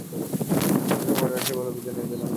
কুসুম ঘরে আসিয়া বলল, বিদায় নিতে এলাম ছোটবাবু।